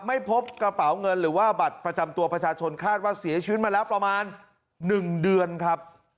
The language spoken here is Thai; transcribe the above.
ไม่พบกระเป๋าเงินหรือว่าบัตรประจำตัวประชาชนคาดว่าเสียชีวิตมาแล้วประมาณ๑เดือนครับ